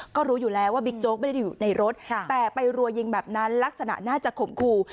ก็รู้อยู่แล้วว่าบิ๊กโจ๊กไม่ได้อยู่ในรถแต่ไปรัวยิงแบบนั้นลักษณะน่าจะข่มขู่